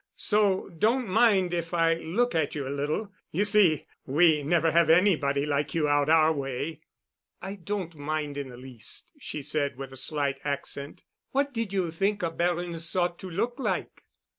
So don't mind if I look at you a little. You see, we never have anybody like you out our way——" "I don't mind in the least," she said with a slight accent. "What did you think a baroness ought to look like?"